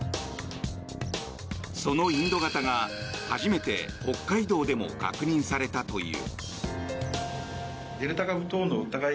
そのインド型が初めて北海道でも確認されたという。